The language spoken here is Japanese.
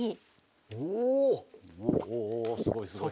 おお！おすごいすごい。